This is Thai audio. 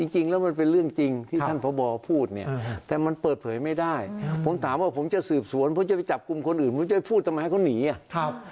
จริงแล้วมันเป็นเรื่องจริงที่ท่านพบพูดเนี่ยแต่มันเปิดเผยไม่ได้ผมถามว่าผมจะสืบสวนผมจะไปจับกลุ่มคนอื่นผมจะพูดทำไมให้เขาหนีอ่ะ